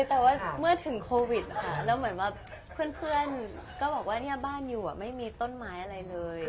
แต่ว่าเมื่อถึงโควิดนะคะแล้วเหมือนว่าเพื่อนก็บอกว่าเนี่ยบ้านอยู่ไม่มีต้นไม้อะไรเลย